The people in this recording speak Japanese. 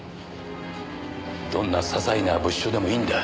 どんな些細な物証でもいいんだ。